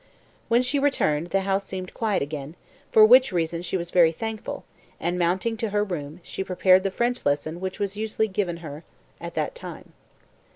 When she returned, the house seemed quiet again, for which she was very thankful, and, mounting to her room, she prepared the French lesson which was usually given her at that time.